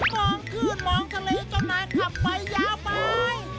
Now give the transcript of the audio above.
มองขึ้นมองทะเลเจ้านายขับไปยาวไป